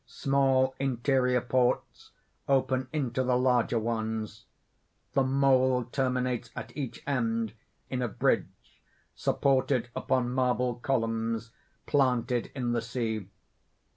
_ _Small interior ports open into the larger ones. The mole terminates at each end in a bridge supported upon marble columns planted in the sea.